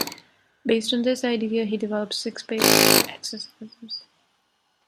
Based on this idea he developed six basic exercises.